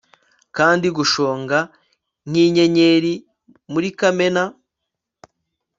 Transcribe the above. Kandi gushonga nkinyenyeri muri kamena